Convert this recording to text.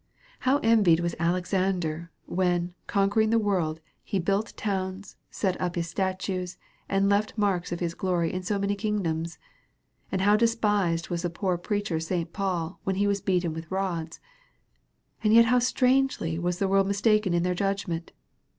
How envied was Alexander, when, conquering the world, he built towns, set up his statues, and left marks of his glory in so many kingdoms! And how despised was the poor preacher St. Paul, when he was beaten .with rods! And yet how strangely was the world mistaken in their judgment!